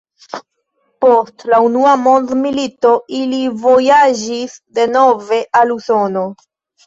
Post la unua mondmilito ili vojaĝis denove al Usono.